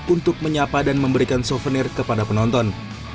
untuk menyapa dan memberikan souvenir kepada penonton